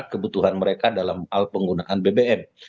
kebutuhan mereka dalam hal penggunaan bbm